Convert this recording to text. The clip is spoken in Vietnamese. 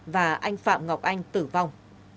và anh phạm ngọc anh tử vong